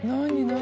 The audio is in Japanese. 何？